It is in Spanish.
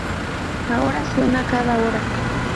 Ahora suena cada hora.